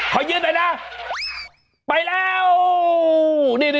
ขอยืนหน่อยนะไปแล้ว